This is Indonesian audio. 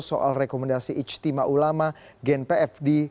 soal rekomendasi ijtima ulama gen pfd